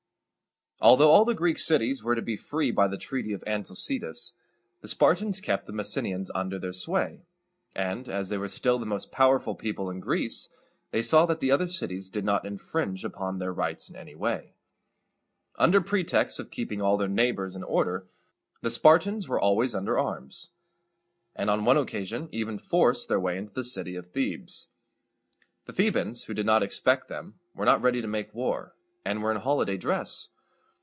Although all the Greek cities were to be free by the treaty of Antalcidas, the Spartans kept the Messenians under their sway and, as they were still the most powerful people in Greece, they saw that the other cities did not infringe upon their rights in any way. Under pretext of keeping all their neighbors in order, the Spartans were always under arms, and on one occasion even forced their way into the city of Thebes. The Thebans, who did not expect them, were not ready to make war, and were in holiday dress.